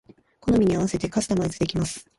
好みに合わせてカスタマイズできます